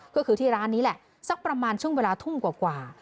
ก็คือที่ร้านนี้แหละสักประมาณช่วงเวลาทุ่มกว่า